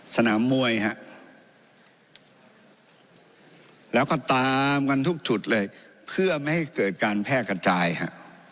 สนามมวยฮะแล้วก็ตามกันทุกจุดเลยเพื่อไม่ให้เกิดการแพร่กระจายฮะ